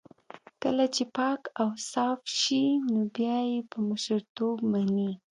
کله چې پاک اوصاف شي نو بيا يې په مشرتوب مني.